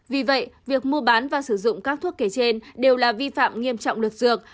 vì vậy việc mua bán và sử dụng các thuốc kể trên đều là vi phạm nghiêm trọng luật dược